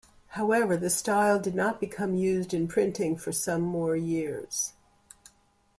However, the style did not become used in printing for some more years.